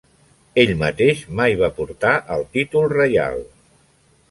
Ell mateix mai va portar el títol reial.